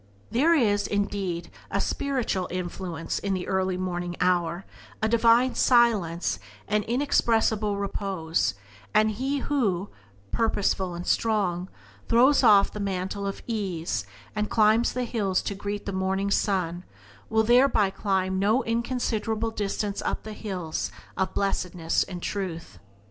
There is, indeed, a spiritual influence in the early morning hour, a divine silence and an inexpressible repose, and he who, purposeful and strong, throws off the mantle of ease and climbs the hills to greet the morning sun will thereby climb no inconsiderable distance up the hills of blessedness and truth.